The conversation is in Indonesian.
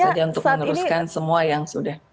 jadi itu saja untuk meneruskan semua yang sudah